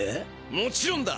もちろんだ！